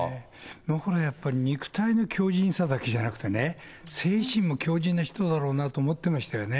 僕らやっぱり、肉体の強じんさだけじゃなくて、精神も強じんな人だろうなと思ってましたよね。